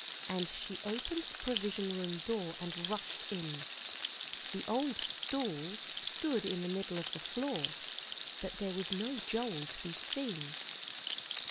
And she opened the provision room door and rushed in. The old stool stood in the middle of the floor, but there was no Joel to be seen.